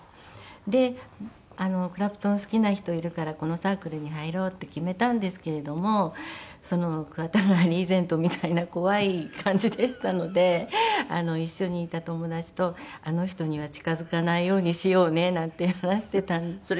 でクラプトン好きな人いるからこのサークルに入ろうって決めたんですけれども桑田がリーゼントみたいな怖い感じでしたので一緒にいた友達とあの人には近づかないようにしようねなんて話していたんですけど。